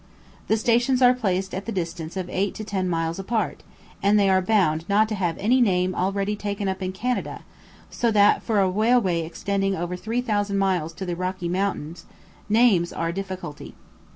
The stations are placed at the distance of eight to ten miles apart, and they are bound not to have any name already taken up in Canada, so that for a railway extending over three thousand miles to the Rocky Mountains names are a difficulty.